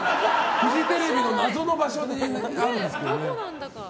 フジテレビの謎の場所にあるんですけどね。